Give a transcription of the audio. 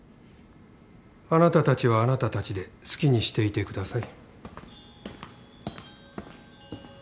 あなたたちはあなたたちで好きにしていてください。